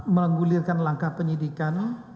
menggulirkan langkah penyidikan